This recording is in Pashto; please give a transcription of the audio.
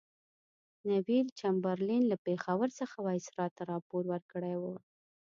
نیویل چمبرلین له پېښور څخه وایسرا ته راپور ورکړی وو.